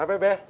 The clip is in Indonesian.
eh apa ya be